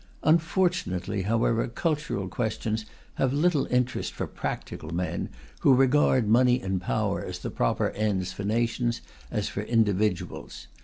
Unfortunately, however, cultural questions have little interest for practical men, who regard money and power as the proper ends for nations as for individuals.